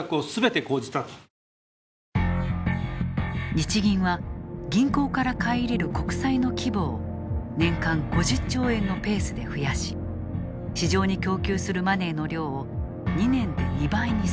日銀は銀行から買い入れる国債の規模を年間５０兆円のペースで増やし市場に供給するマネーの量を２年で２倍にする。